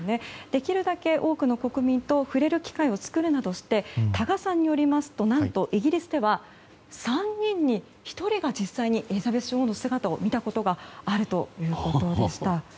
できるだけ多くの国民と触れる機会を作るなどして多賀さんによりますと、何とイギリスでは３人に１人が実際に、エリザベス女王の姿を見たことがあるということでした。